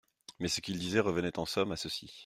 Mais ce qu'il disait revenait en somme à ceci.